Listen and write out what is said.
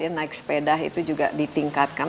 naik sepeda itu juga ditingkatkan